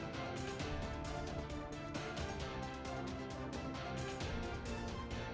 terima kasih sekali